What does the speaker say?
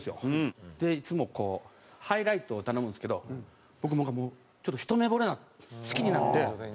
いつもこうハイライトを頼むんですけど僕なんかもうちょっとひと目ぼれ好きになって。